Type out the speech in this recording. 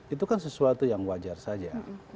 itu kan sesuatu yang wajar saja